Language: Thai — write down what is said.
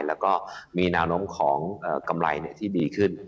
แล้วก็มีแนวโน้มของกำไรที่ดีขึ้น